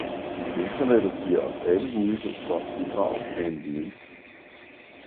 Internettet giver os alle mulighed for at bidrage med en viden